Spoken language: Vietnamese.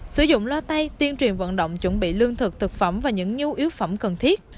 sử dụng lo tay tuyên truyền vận động chuẩn bị lương thực thực phẩm và những nhu yếu phẩm cần thiết